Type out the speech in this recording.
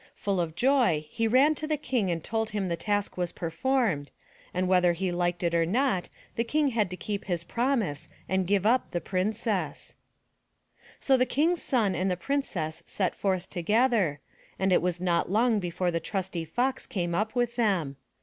Full of joy, he ran to the King and told him the task was performed, and whether he liked it or not, the King had to keep his promise and give up the Princess. 297 MY BOOK HOUSE So the King's son and the Princess set forth together, and it was not long before the trusty Fox came up with them.